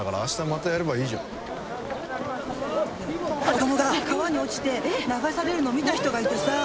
子供が川に落ちて流されるのを見た人がいてさ